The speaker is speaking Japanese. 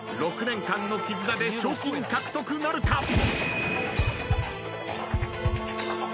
６年間の絆で賞金獲得なるか？